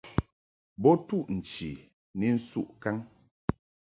Bo ntuʼ nchi ni nsuʼ kaŋ.